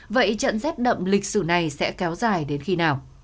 vậy trận rét đậm lịch sử này sẽ kéo dài đến khi nào